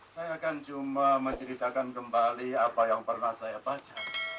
saya akan cuma menceritakan kembali apa yang pernah saya baca